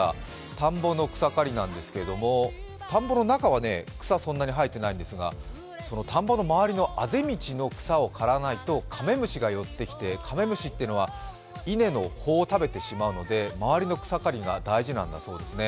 田んぼの草刈りなんですけれども、田んぼの中には草、そんなに生えていないんですが田んぼの周りのあぜ道の草を刈らないとカメムシが寄ってきて、カメムシというのは稲の穂を食べてしまうので周りの草刈りが大事なんだそうですね。